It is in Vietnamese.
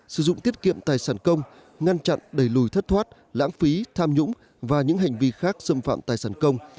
sử dụng tiết kiệm tài sản công ngăn chặn đẩy lùi thất thoát lãng phí tham nhũng và những hành vi khác xâm phạm tài sản công